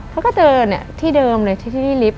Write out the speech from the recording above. เขาก็เจอที่เดิมเลยที่ลิฟต์